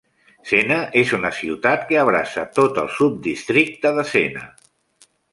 Sena és una ciutat que abraça tot el subdistricte de Sena.